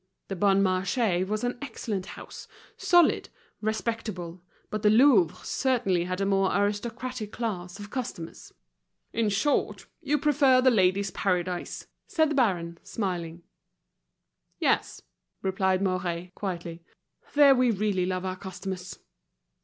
The Bon Marché was an excellent house, solid, respectable; but the Louvre certainly had a more aristocratic class of customers. "In short, you prefer The Ladies' Paradise," said the baron, smiling. "Yes," replied Mouret, quietly. "There we really love our customers."